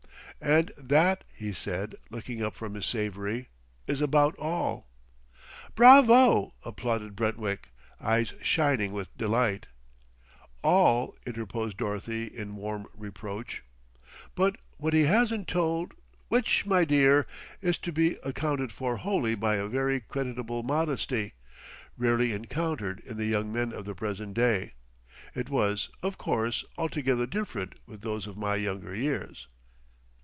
"And that," he said, looking up from his savory, "is about all." "Bravo!" applauded Brentwick; eyes shining with delight. "All," interposed Dorothy in warm reproach, "but what he hasn't told " "Which, my dear, is to be accounted for wholly by a very creditable modesty, rarely encountered in the young men of the present day. It was, of course, altogether different with those of my younger years.